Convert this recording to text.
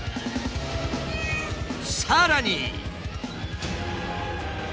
さらに。